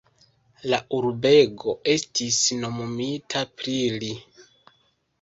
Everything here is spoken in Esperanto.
La urbego estis nomumita pri li.